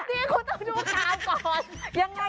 นี่คุณต้องดูกับก่อน